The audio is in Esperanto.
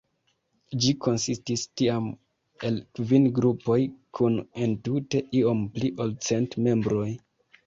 Ĝi konsistis tiam el kvin grupoj kun entute iom pli ol cent membroj.